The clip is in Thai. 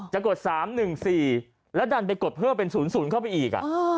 กด๓๑๔แล้วดันไปกดเพิ่มเป็น๐๐เข้าไปอีก